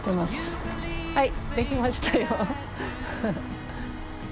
はいできましたよ。